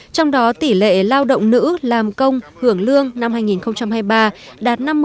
trong đó tỷ lệ lao động nữ làm công hưởng lương năm hai nghìn hai mươi ba đạt năm mươi